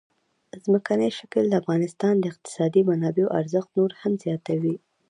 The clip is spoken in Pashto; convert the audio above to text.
ځمکنی شکل د افغانستان د اقتصادي منابعو ارزښت نور هم زیاتوي.